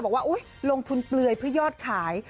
บอกว่าลงทุนเปลือยเพื่อยอดขาย